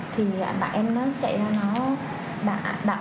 thì bạn em nó chạy ra nó đặt anh này xuống